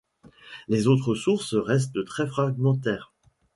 Les autres sources restent très fragmentaires.